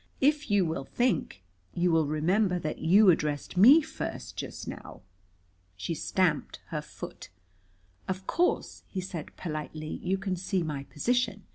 If you will think, you will remember that you addressed me first just now." She stamped her foot. "Of course," he said politely, "you can see my position.